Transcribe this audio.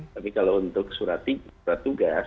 tapi kalau untuk surat tugas